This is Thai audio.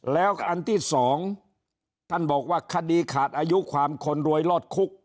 แล้วอันที่สองท่านบอกว่าคดีขาดอายุความคนรวยรอดคุก